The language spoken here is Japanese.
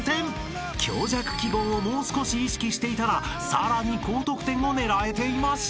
［強弱記号をもう少し意識していたらさらに高得点を狙えていました］